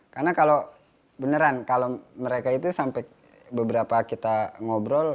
karena kalau mereka itu sampai beberapa kita ngobrol